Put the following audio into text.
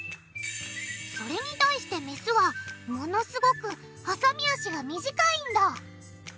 それに対してメスはものすごくはさみ脚が短いんだ！